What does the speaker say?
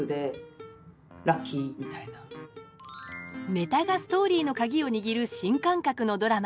ネタがストーリーの鍵を握る新感覚のドラマ。